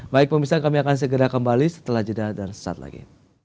baik pemirsa kami akan segera kembali setelah jeda dan sesaat lagi